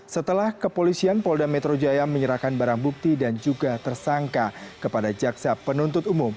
setelah kepolisian polda metro jaya menyerahkan barang bukti dan juga tersangka kepada jaksa penuntut umum